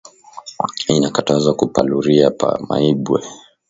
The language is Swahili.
Ina katazwa ku paluria pa maibwe